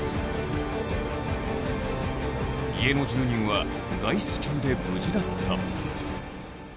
家の住人は外出中で無事だった